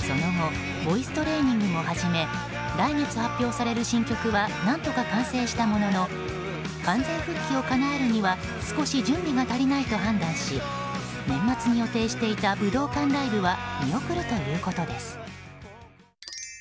その後ボイストレーニングも始め来月発表される新曲は何とか完成したものの完全復帰をかなえるには少し準備が足りないと判断し年末に予定していた武道館ライブは見送るということです。